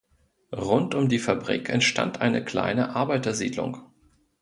Rund um die Fabrik entstand eine kleine Arbeitersiedlung.